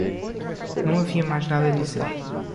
Não havia mais nada a dizer.